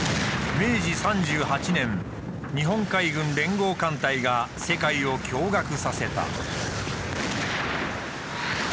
明治３８年日本海軍連合艦隊が世界を驚愕させた。